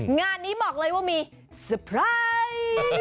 งานนี้บอกเลยว่ามีสเปรย์